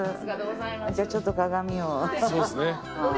じゃあちょっと鏡を。